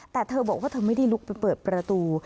แต่เธอบอกว่าเธอไม่ได้ลุกไปเปิดประตู